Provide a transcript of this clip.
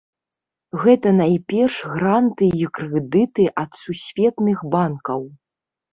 Гэта найперш гранты і крэдыты ад сусветных банкаў.